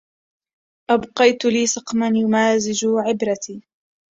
أبقيت لي سقما يمازج عبرتي